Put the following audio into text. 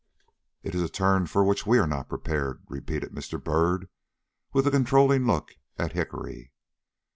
"It is a turn for which we are not prepared," repeated Mr. Byrd, with a controlling look at Hickory.